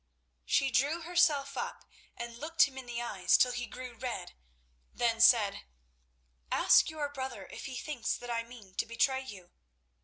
She drew herself up and looked him in the eyes till he grew red, then said: "Ask your brother if he thinks that I mean to betray you.